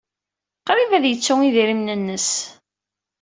Qrib ay tettu idrimen-nnes.